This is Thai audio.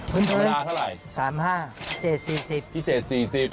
ธรรมดาเท่าไรสามห้าพิเศษสี่สิบพิเศษสี่สิบ